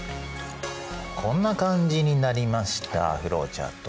こんな感じになりましたフローチャート。